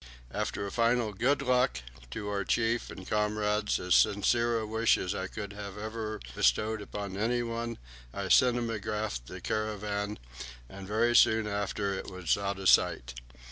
After a final "Good luck" to our Chief and comrades as sincere a wish as I have ever bestowed upon anyone I cinematographed the caravan, and very soon after it was out of sight.